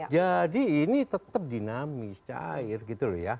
jadi ini tetap dinamis cair gitu ya